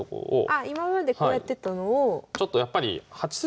あ今までこうやってたのを。